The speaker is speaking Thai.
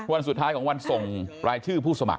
วันสุดท้ายของวันส่งรายชื่อผู้สมัค